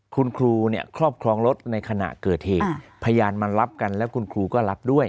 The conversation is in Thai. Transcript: คุณครูเนี่ยครอบครองรถในขณะเกิดเหตุพยานมารับกันแล้วคุณครูก็รับด้วย